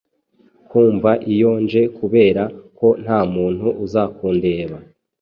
Kumva iyo nje kubera ko nta muntu uzakundeba